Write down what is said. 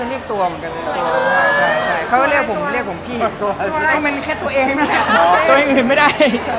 จะมีใครแต่ตัวเองไม่ได้